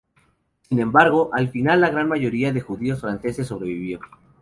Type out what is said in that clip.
Sin embargo, al final, la gran mayoría de judíos franceses sobrevivió.